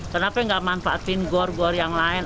kenapa nggak manfaatin gor gor yang lain